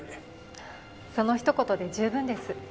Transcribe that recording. そのひと言で十分です。